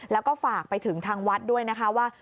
แล้วก็ฝากไปถึงทางวัดด้วยนะคะว่า